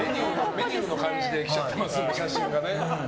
メニューの感じで来ちゃってますんでね。